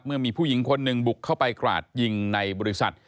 เมื่อมีผู้หญิงคนหนึ่งบุกเข้าไปกราดยิงในบริษัท